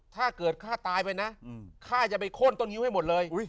ถ้าเกิดฆ่าตายไปนะฆ่าจะไปโค้นต้นงิ้วให้หมดเลย